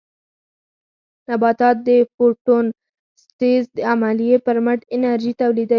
نباتات د فوټوسنټیز عملیې پر مټ انرژي تولیدوي